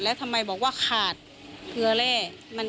และบอกว่าขาดเครื่องละแร่